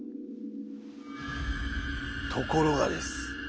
ところがです。